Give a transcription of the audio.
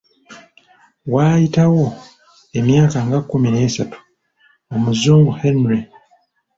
Waayitawo emyaka nga kkumi n'esatu Omuzungu Henry.